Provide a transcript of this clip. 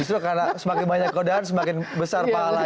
istri karena semakin banyak kodakan semakin besar pahalanya